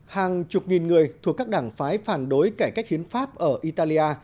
hàng chục nghìn người thuộc các đảng phái phản đối cải cách hiến pháp ở italia